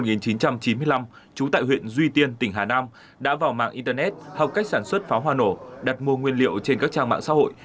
trú tại huyện duy tiên tỉnh hà nam đã vào mạng internet học cách sản xuất pháo hoa nổ đặt mua nguyên liệu trên các trang mạng xã hội